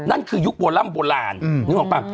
นั่นคือยุคโบร่ำโบราณนึกออกป่ะ